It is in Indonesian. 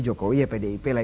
jokowi ya pdip lah